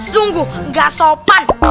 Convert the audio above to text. sungguh gak sopan